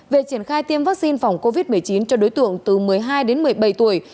về triển khai tiêm vaccine phòng covid một mươi chín cho đối tượng từ một mươi hai đến một mươi bảy tuổi